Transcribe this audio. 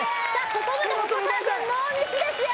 ここまで細川軍ノーミスですよ